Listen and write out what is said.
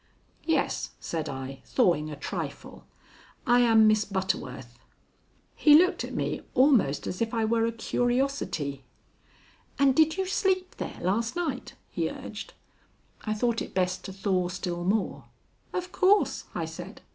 "Yes," said I, thawing a trifle; "I am Miss Butterworth." He looked at me almost as if I were a curiosity. "And did you sleep there last night?" he urged. I thought it best to thaw still more. "Of course," I said.